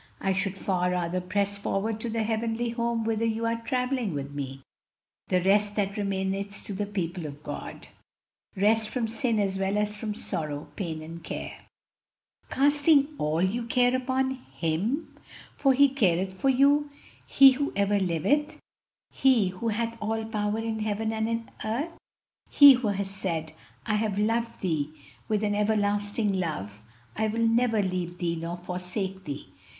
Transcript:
I should far rather press forward to the heavenly home whither you are travelling with me 'the rest that remaineth to the people of God,' rest from sin as well as from sorrow, pain, and care." "'Casting all you care upon Him, for He careth for you.' He who ever liveth; He who hath all power in heaven and in earth; He who has said, 'I have loved thee with an everlasting love,' 'I will never leave thee nor forsake thee.'